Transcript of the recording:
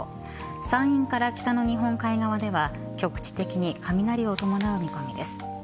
山陰から北の日本海側では局地的に雷を伴う見込みです。